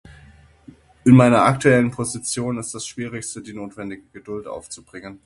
In meiner aktuellen Position ist das schwierigste die notwendige Geduld auf zu bringen.